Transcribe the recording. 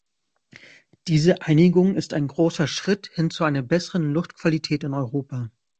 Diese Einigung ist ein großer Schritt hin zu einer besseren Luftqualität in Europa.